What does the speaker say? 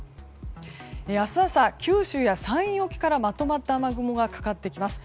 明日朝、九州や山陰沖からまとまった雨雲がかかってきます。